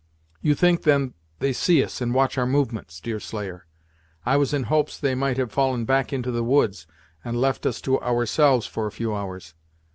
"You think, then, they see us, and watch our movements, Deerslayer? I was in hopes they might have fallen back into the woods, and left us to ourselves for a few hours."